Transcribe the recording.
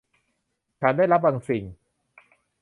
ฉันได้รับบางสิ่ง